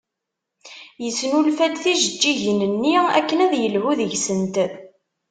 Yesnulfa-d tijeǧǧigin-nni akken ad yelhu deg-sent.